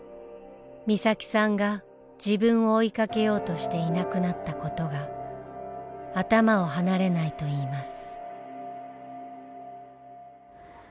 美咲さんが自分を追いかけようとしていなくなったことが頭を離れないといいます。